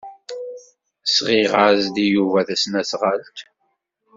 Sɣiɣ-as-d i Yuba tasnasɣalt.